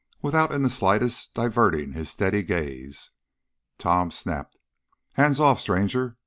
Without in the slightest diverting his steady gaze, Tom snapped: "Hands off, stranger!